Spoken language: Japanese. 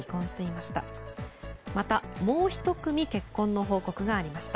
また、もう１組結婚の報告がありました。